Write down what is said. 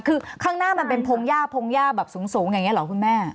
คือข้างหน้ามันเป็นพงหญ้าพงหญ้าแบบสูงอย่างนี้เหรอคุณแม่